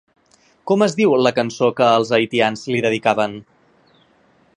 Com es diu la cançó que els haitians li dedicaven?